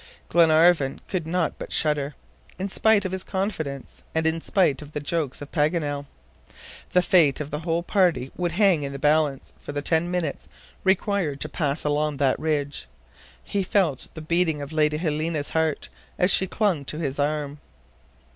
Glenarvan could not but shudder, in spite of his confidence, and in spite of the jokes of Paganel. The fate of the whole party would hang in the balance for the ten minutes required to pass along that ridge. He felt the beating of Lady Helena's heart, as she clung to his arm.